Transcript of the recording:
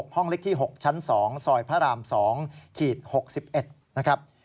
ห้องเล็กที่๖ชั้น๒ซอยพระราม๒๖๑นะครับ